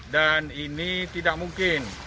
dan ini tidak mungkin